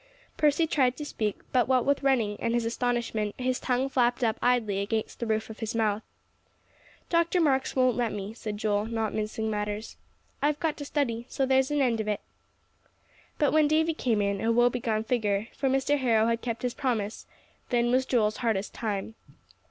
Percy tried to speak; but what with running, and his astonishment, his tongue flapped up idly against the roof of his mouth. "Dr. Marks won't let me," said Joel, not mincing matters. "I've got to study; so there's an end of it." But when Davie came in, a woe begone figure, for Mr. Harrow had kept his promise, then was Joel's hardest time.